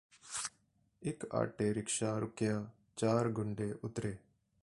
ਇੱਕ auto rickshaw ਰੁਕਿੱਆ ਚਾਰ ਗੁੰਡੇ ਉੱਤਰੇ